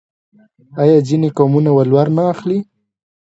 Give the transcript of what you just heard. آیا ځینې قومونه ولور نه اخلي؟